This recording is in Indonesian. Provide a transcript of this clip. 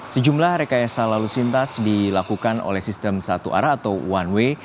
sejumlah rekayasa lalu lintas dilakukan oleh sistem satu arah atau one way